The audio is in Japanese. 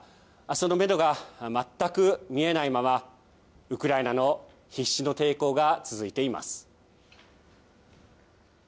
そのメドが全く見えないまま、ウクライナの必死の抵抗が続いています。